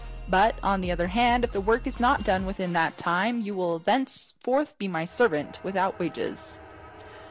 But, on the other hand, if the work is not done within the time, you will thenceforth be my servant without wages."